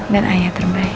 dan ayah terbaik